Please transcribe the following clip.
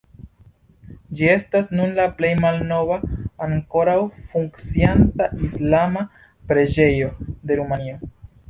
Ĝi estas nun la plej malnova, ankoraŭ funkcianta islama preĝejo de Rumanio.